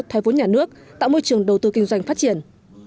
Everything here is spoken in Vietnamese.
thoái vốn nhà nước tạo môi trường đầu tư kinh doanh phát triển